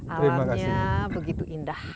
alamnya begitu indah